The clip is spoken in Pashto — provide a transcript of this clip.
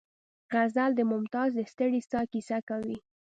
غزل د ممتاز د ستړې ساه کیسه کوي